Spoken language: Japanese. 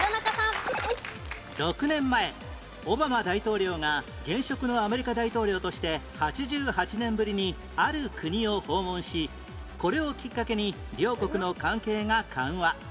６年前オバマ大統領が現職のアメリカ大統領として８８年ぶりにある国を訪問しこれをきっかけに両国の関係が緩和